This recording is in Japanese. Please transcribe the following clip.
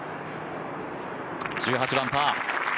１８番パー。